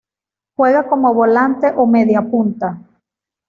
Juega como volante o media punta.